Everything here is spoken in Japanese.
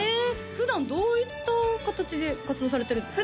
普段どういった形で活動されてるんですか？